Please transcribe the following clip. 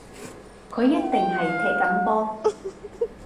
佢一定係踢緊波